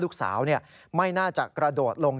ลูกสาวไม่น่าจะกระโดดลง